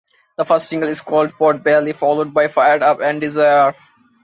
The first single is called "Pot Belly" followed by "Fired Up" and "Desire".